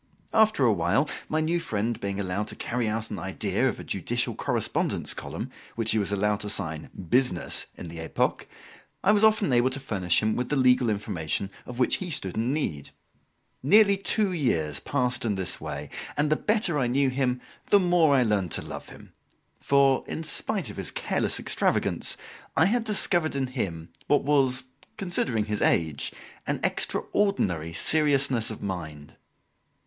After a while, my new friend being allowed to carry out an idea of a judicial correspondence column, which he was allowed to sign "Business," in the "Epoque," I was often able to furnish him with the legal information of which he stood in need. Nearly two years passed in this way, and the better I knew him, the more I learned to love him; for, in spite of his careless extravagance, I had discovered in him what was, considering his age, an extraordinary seriousness of mind.